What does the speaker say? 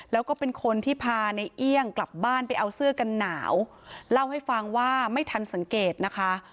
แล้วก็เป็นคนที่พาในเอี่ยงกลับบ้านไปเอาเสื้อกันหนาวเล่าให้ฟังว่าไม่ทันสังเกตนะคะ